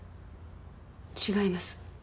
違います。